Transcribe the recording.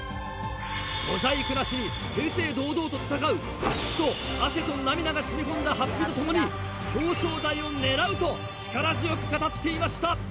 小細工なしに正々堂々と戦う血と汗と涙が染み込んだハッピと共に表彰台を狙うと力強く語っていました！